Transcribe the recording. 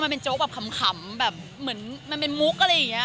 มาเป็นโจ๊กมวลมีมุค